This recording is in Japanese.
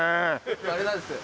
あれなんですよ